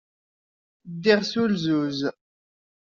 Ddiɣ s ulzuz.